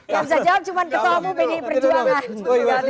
yang bisa jawab cuma ketemu pdi perjuangan